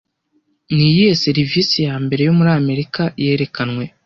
Niyihe serivise ya mbere yo muri Amerika yerekanwe